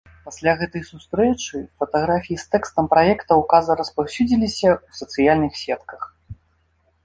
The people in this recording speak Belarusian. Пасля гэтай сустрэчы фатаграфіі з тэкстам праекта ўказа распаўсюдзіліся ў сацыяльных сетках.